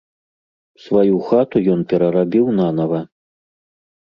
Сваю хату ён перарабіў нанава.